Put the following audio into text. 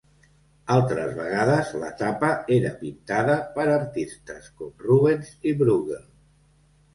Altres vegades la tapa era pintada per artistes com Rubens i Brueghel.